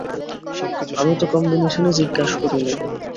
আমি তো কম্বিনেশন-ই জিজ্ঞেস করিনি।